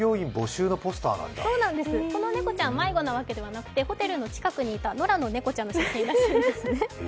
この猫ちゃん、迷子というわけではなくてホテルの近くにいた野良の猫ちゃんの写真だそうです。